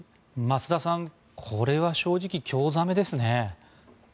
増田さん、これは正直興ざめですね。